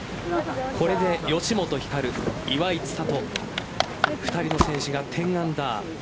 これで吉本ひかる、岩井千怜２人の選手が１０アンダー。